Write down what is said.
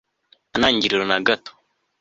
nta ntangiriro na gato